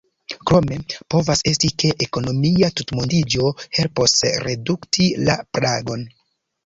Krome povas esti, ke ekonomia tutmondiĝo helpos redukti la plagon.